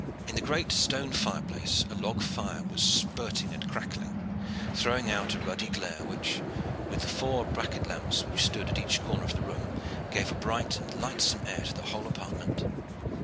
In the great stone fireplace a log fire was spurting and crackling, throwing out a ruddy glare which, with the four bracket lamps which stood at each corner of the room, gave a bright and lightsome air to the whole apartment.